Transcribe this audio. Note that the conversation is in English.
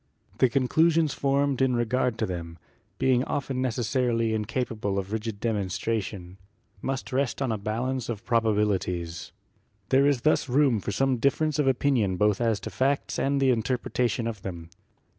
The conclusions formed in regard to them, being often neces sarily incapable of rigid demonstration, must rest on a 49 50 GEOLOGY balance of probabilities. There is thus room for some difference of opinion both as to facts and the interpreta tion of them.